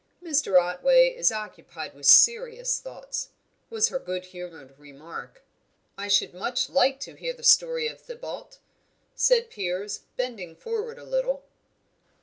"Mr. Otway is occupied with serious thoughts," was her good humoured remark. "I should much like to hear the story of Thibaut," said Piers, bending forward a little.